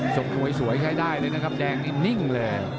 มวยสวยใช้ได้เลยนะครับแดงนี่นิ่งเลย